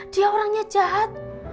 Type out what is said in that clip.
dia orangnya jahat